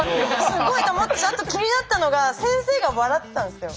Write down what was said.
すごいと思ったしあと気になったのが先生が笑ってたんですよ。